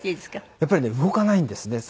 やっぱりね動かないんですね。